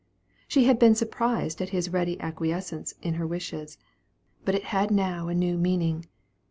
She had been surprised at his ready acquiescence in her wishes, but it had now a new meaning.